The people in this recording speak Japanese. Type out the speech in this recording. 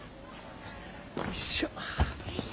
よいしょ。